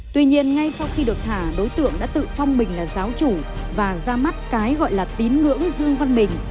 tuy nhiên ngay sau khi được thả đối tượng đã tự phong mình là giáo chủ và ra mắt cái gọi là tín ngưỡng dương văn bình